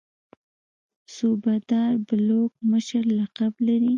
صوبه دار بلوک مشر لقب لري.